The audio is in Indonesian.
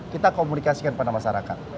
kita komunikasikan pada masyarakat